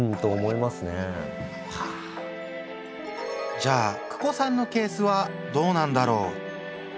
じゃあＫＵＫＯさんのケースはどうなんだろう？